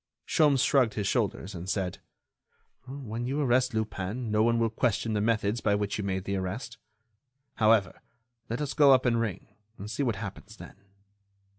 Sholmes shrugged his shoulders and said: "When you arrest Lupin no one will question the methods by which you made the arrest. However, let us go up and ring, and see what happens then."